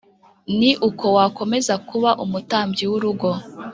Ni uko wakomeza kuba umutambyi w urugo